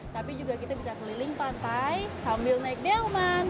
tapi juga kita bisa keliling pantai sambil naik delman